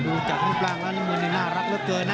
ดูจากที่ผู้ชมแล้วมนุษย์น่ารักเยอะเกินนะ